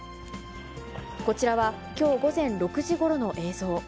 こちらは、きょう午前６時ごろの映像。